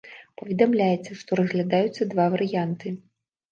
Паведамляецца, што разглядаюцца два варыянты.